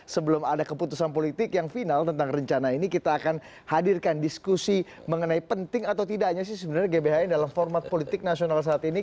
sebelum ada keputusan politik yang final tentang rencana ini kita akan hadirkan diskusi mengenai penting atau tidaknya sih sebenarnya gbhn dalam format politik nasional saat ini